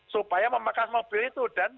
supaya memakas mobil itu dan semua kendaraan itu